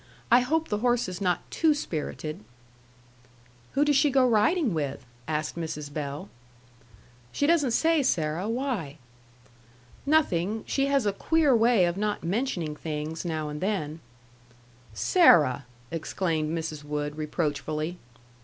"I hope the horse is not too spirited." "Who does she go riding with?" asked Mrs. Bell. "She doesn't say, Sarah. Why?" "Nothing. She has a queer way of not mentioning things, now and then." "Sarah!" exclaimed Mrs. Wood, reproachfully.